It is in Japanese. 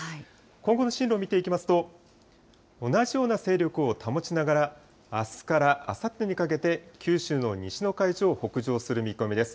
今後の進路を見ていきますと、同じような勢力を保ちながら、あすからあさってにかけて、九州の西の海上を北上する見込みです。